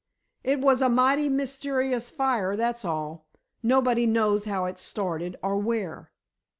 "It was a mighty mysterious fire, that's all. Nobody knows how it started, or where."